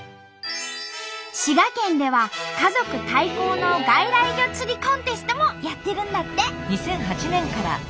滋賀県では家族対抗の外来魚釣りコンテストもやってるんだって。